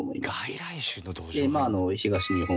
で東日本